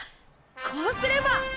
こうすれば！